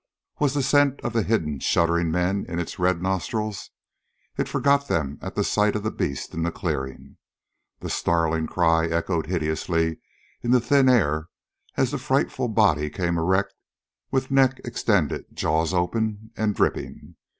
Was the scent of the hidden, shuddering men in its red nostrils? It forgot them at the sight of the beast in the clearing. The snarling cry echoed hideously in the thin air as the frightful body came erect with neck extended, jaws open and dripping.